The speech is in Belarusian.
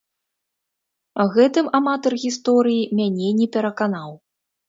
Гэтым аматар гісторыі мяне не пераканаў.